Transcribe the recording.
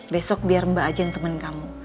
besok biar mbak aja yang temen kamu